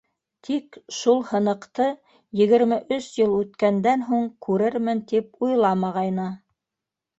Тик шул һыныҡты егерме өс йыл үткәндән һуң күрермен тип уйламағайны.